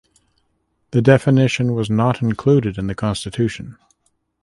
The definition was not included in the constitution.